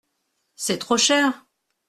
C’est trop cher !…